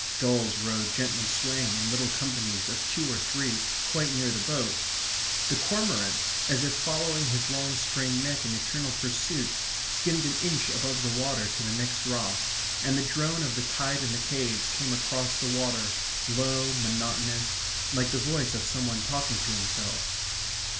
Gulls rode gently swaying in little companies of two or three quite near the boat; the cormorant, as if following his long strained neck in eternal pursuit, skimmed an inch above the water to the next rock; and the drone of the tide in the caves came across the water, low, monotonous, like the voice of some one talking to himself.